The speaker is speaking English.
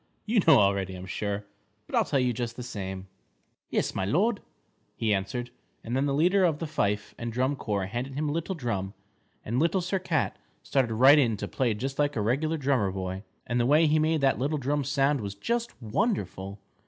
You know already, I'm sure, but I'll tell you just the same. [Illustration: LITTLE SIR CAT SAVES THE PUSSY FROM THE WELL] "Yes, my Lord," he answered, and then the leader of the fife and drum corps handed him a little drum, and Little Sir Cat started right in to play just like a regular drummer boy. And the way he made that little drum sound was just wonderful.